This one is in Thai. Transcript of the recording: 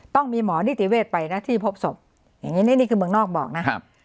ต้องมีหมอนิติเวศไปนะที่พบศพอย่างนี้นี่คือเมืองนอกบอกนะครับ